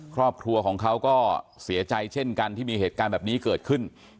ครอบครัวของเขาก็เสียใจเช่นกันที่มีเหตุการณ์แบบนี้เกิดขึ้น